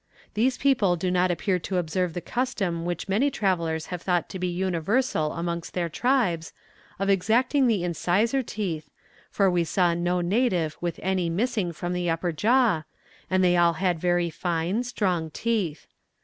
These people do not appear to observe the custom which many travellers have thought to be universal amongst their tribes, of extracting the incisor teeth, for we saw no native with any missing from the upper jaw, and they all had very fine, strong teeth.